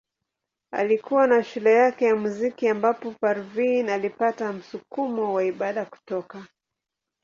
Alikuwa na shule yake ya muziki ambapo Parveen alipata msukumo wa ibada kutoka.